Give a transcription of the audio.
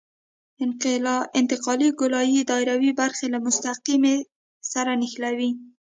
انتقالي ګولایي دایروي برخه له مستقیمې سره نښلوي